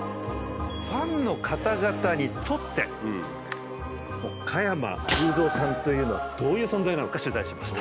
ファンの方々にとって加山雄三さんというのはどういう存在なのか取材しました。